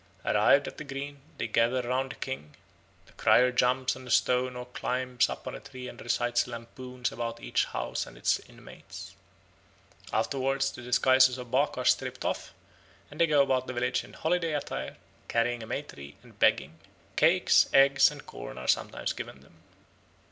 Arrived at the green they gather round the king; the crier jumps on a stone or climbs up a tree and recites lampoons about each house and its inmates. Afterwards the disguises of bark are stripped off and they go about the village in holiday attire, carrying a May tree and begging. Cakes, eggs, and corn are sometimes given them.